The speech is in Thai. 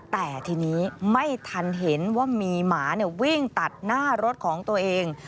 แต่ทีนี้ไม่ทันเห็นว่ามีหมาวิ่งตัดหน้ารถของตัวเอง